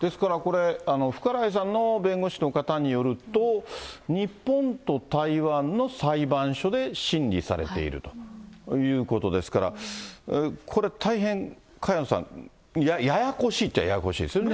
ですから、これ、福原愛さんの弁護士の方によると、日本と台湾の裁判所で審理されているということですから、これ大変、萱野さん、ややこしいっちゃややこしいですよね。